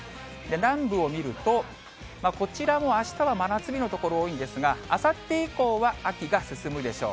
南部を見ると、こちらもあしたは真夏日の所、多いんですが、あさって以降は秋が進むでしょう。